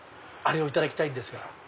あれをいただきたいんですが。